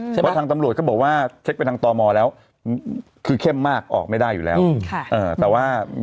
เพราะทางตำรวจเขาบอกว่าเช็คไปทางตมแล้วคือเข้มมากออกไม่ได้อยู่แล้วแต่ว่า